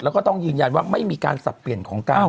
แล้วก็ต้องยืนยันว่าไม่มีการสับเปลี่ยนของการ